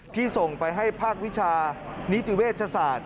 ส่งไปให้ภาควิชานิติเวชศาสตร์